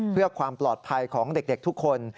เพื่อความปลอดภัยของเด็กทุกคน